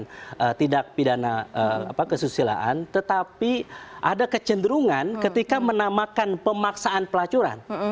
dan tidak pidana kesusilaan tetapi ada kecenderungan ketika menamakan pemaksaan pelacuran